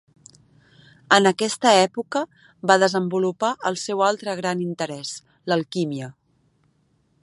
En aquesta època va desenvolupar el seu altre gran interès, l'alquímia.